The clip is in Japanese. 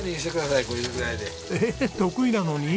えっ得意なのに？